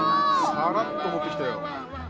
サラッと持ってきたよ